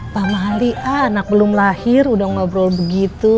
pak mahandi ah anak belum lahir udah ngobrol begitu